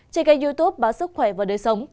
trên kênh youtube báo sức khỏe và đời sống